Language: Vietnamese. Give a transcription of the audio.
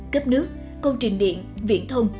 cấp nước công trình điện viện thông